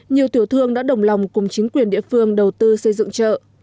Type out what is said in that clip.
nhiều tiểu thương đã đồng lòng cùng chính quyền địa phương đầu tư xây dựng chợ